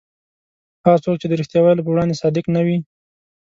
هغه څوک چې د رښتیا ویلو په وړاندې صادق نه وي.